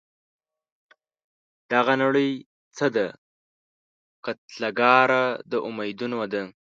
دغه نړۍ څه ده؟ قتلګاه د امیدونو ده